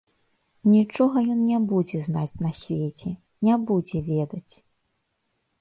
Нічога ён не будзе знаць на свеце, не будзе ведаць.